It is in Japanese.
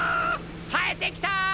さえてきた！